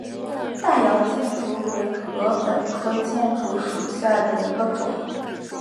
大姚箭竹为禾本科箭竹属下的一个种。